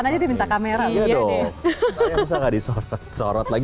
saya usah gak disorot sorot lagi